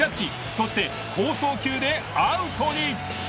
そして好送球でアウトに。